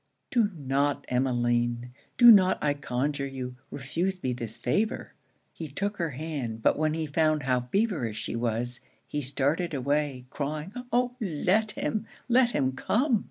'Do not, Emmeline do not, I conjure you, refuse me this favour?' He took her hand; but when he found how feverish she was, he started away, crying 'Oh! let him, let him come!'